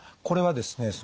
これはですね